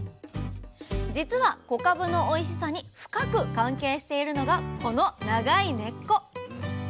実は小かぶのおいしさに深く関係しているのがこの長い根っこ。